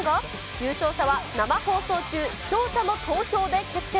優勝者は生放送中、視聴者の投票で決定。